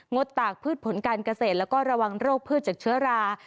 ดตากพืชผลการเกษตรแล้วก็ระวังโรคพืชจากเชื้อรา